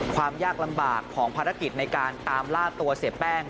ความยากลำบากของภารกิจในการตามล่าตัวเสียแป้ง